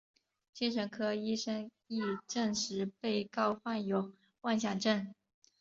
精神科医生亦证实被告患有妄想症。